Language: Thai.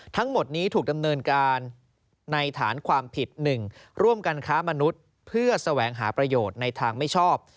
ทั้งหมดนี้ถูกดำเนินการในฐานความผิด๑ร่วมกันค้ามนุษย์เพื่อแสวงหาประโยชน์ในทางไม่ชอบ